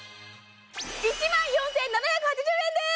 １４７８０円です！